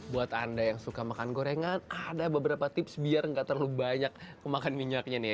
buat anda yang suka makan gorengan ada beberapa tips biar nggak terlalu banyak kemakan minyaknya nih